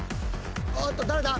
おっと誰だ？